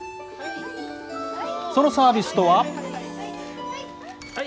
そのサービスとは。